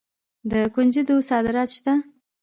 د کنجدو صادرات شته.